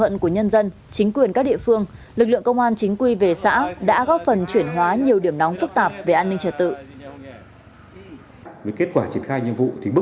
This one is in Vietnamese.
đồng chí nguyễn duy ngọc đã góp phần chuyển hóa nhiều điểm nóng phức tạp về an ninh trật tự